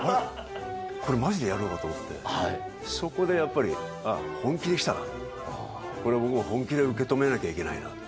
これ、まじでやるのかと思って、そこでやっぱり本気できたなと、これはもう、本気で受け止めなきゃいけないな。